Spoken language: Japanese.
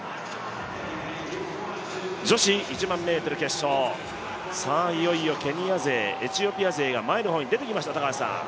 女子１００００ｍ決勝、いよいよケニア勢、エチオピア勢が前の方に出てきました。